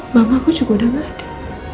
mamah aku juga udah gak ada